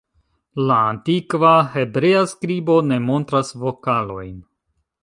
La antikva hebrea skribo ne montras vokalojn.